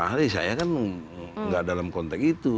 ahli saya kan nggak dalam konteks itu